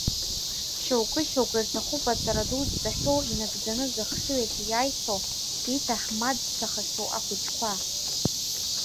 Шьоукы-шьоукы ирҭахуп аҵара ду зҵахьоу, инагӡаны зыхшыҩ аҿы иааихьоу, иҭаҳмадцәахахьоу ахәыҷқәа.